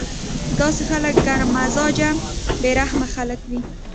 داسې خلک ګرم مزاجه بې رحمه خلک وي